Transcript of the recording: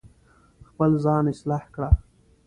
خپل ځان اصلاح کړه